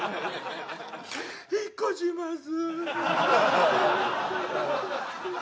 引っ越します